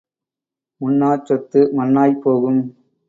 உண்ணாச் சொத்து மண்ணாய்ப் போகும்.